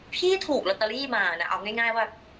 พี่ถูกโรตาลีมานะเอาง่ายว่า